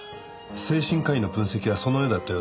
精神科医の分析はそのようだったようで。